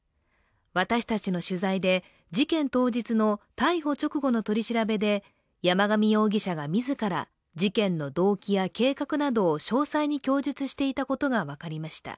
私たちの取材で事件当時の逮捕直後の取り調べで山上容疑者が自ら事件の動機や計画などを詳細に供述していたことが分かりました。